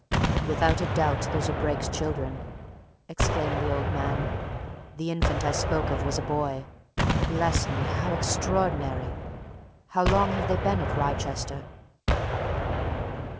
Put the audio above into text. "Without a doubt those are Brake's children!" exclaimed the old man. "The infant I spoke of was a boy. Bless me! how extraordinary. How long have they been at Wrychester?"